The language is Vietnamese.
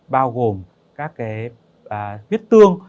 bao gồm các huyết tương